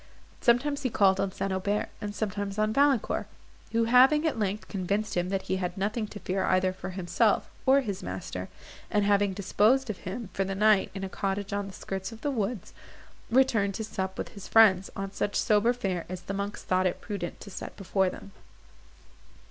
Sometimes he called on St. Aubert, and sometimes on Valancourt; who having, at length, convinced him that he had nothing to fear either for himself, or his master; and having disposed of him, for the night, in a cottage on the skirts of the woods, returned to sup with his friends, on such sober fare as the monks thought it prudent to set before them.